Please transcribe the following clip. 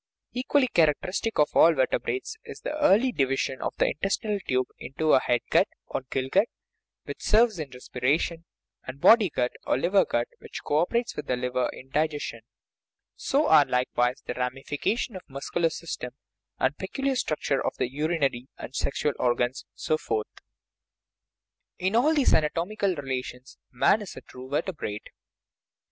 Equally characteristic of all vertebrates is the early division of the intestinal tube into a " head gut " (or gill gut), which serves in respiration, and a " body gut " (or liver gut), which co operates with the liver in digestion ; so are, likewise, the ramification of the mus cular system, the peculiar structure of the urinary and 28 OUR BODILY FRAME sexual organs, and so forth. In all these anatomical relations man is a true vertebrate.